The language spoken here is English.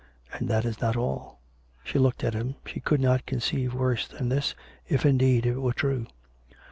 And that is not all." She looked at him. She could not conceive worse than this, if indeed it were true.